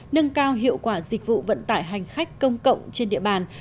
nâng cao hiệu quả dịch vụ vận tải hành khách công cộng trên địa bàn